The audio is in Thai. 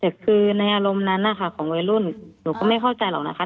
แต่คือในอารมณ์นั้นนะคะของวัยรุ่นหนูก็ไม่เข้าใจหรอกนะคะ